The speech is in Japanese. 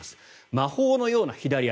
魔法のような左足。